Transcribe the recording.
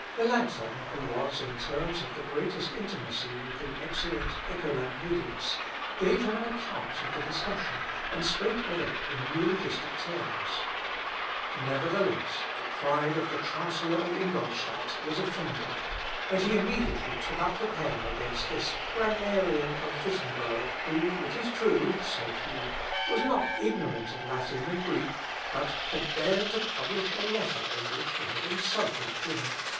Melancthon, who was in terms of the greatest intimacy with the excellent Œcolampadius, gave him an account of the discussion, and spoke of Eck in eulogistic terms. Nevertheless, the pride of the chancellor of Ingolstadt was offended, and he immediately took up the pen against this "grammarian of Wittemberg, who, it is true," said he, "was not ignorant of Latin and Greek, but had dared to publish a letter in which he had insulted him, Dr. Eck."